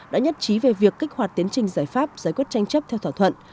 đã nhất trí về việc kích hoạt tiến trình giải pháp giải quyết tranh chấp theo thỏa thuận